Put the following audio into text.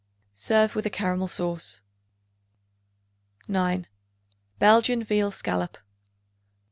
Serve with a caramel sauce. 9. Belgian Veal Scallop.